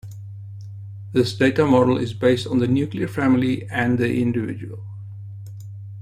This data model is based on the nuclear family and the individual.